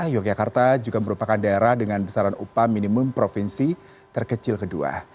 yogyakarta juga merupakan daerah dengan besaran upah minimum provinsi terkecil kedua